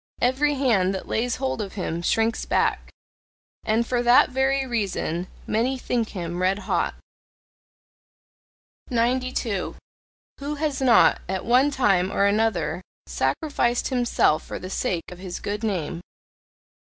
Every hand that lays hold of him shrinks back! And for that very reason many think him red hot. 92. Who has not, at one time or another sacrificed himself for the sake of his good name?